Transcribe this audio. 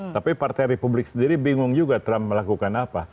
tapi partai republik sendiri bingung juga trump melakukan apa